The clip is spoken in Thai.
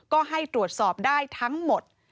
ก็ให้ตรวจสอบได้ทั้งหมด